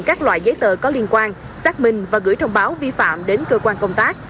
các loại giấy tờ có liên quan xác minh và gửi thông báo vi phạm đến cơ quan công tác